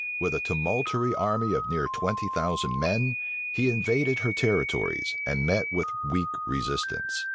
With a tumultuary army of near twenty thousand men, he invaded her territories, and met with weak resistance.